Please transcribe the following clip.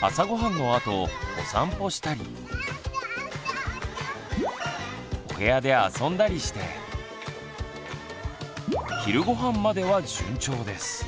朝ごはんのあとお散歩したりお部屋で遊んだりして昼ごはんまでは順調です。